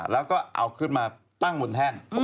แล้วก็เอาขึ้นมาตั้งบนแท่น